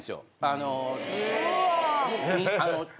あの。